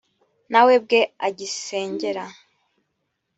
nawe bwe agisengera